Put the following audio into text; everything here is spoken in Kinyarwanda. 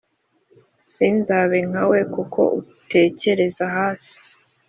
Sinzabe nkawe kuko utekereza hafi